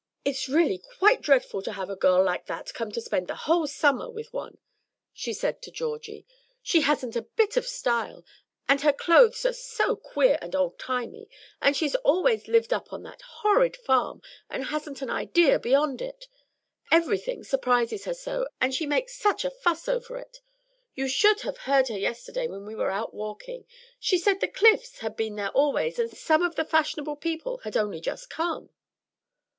"It's really quite dreadful to have a girl like that come to spend the whole summer with one," she said to Georgie. "She hasn't a bit of style, and her clothes are so queer and old timey; and she's always lived up on that horrid farm, and hasn't an idea beyond it. Everything surprises her so, and she makes such a fuss over it. You should have heard her yesterday when we were out walking; she said the Cliffs had been there always, and some of the fashionable people had only just come."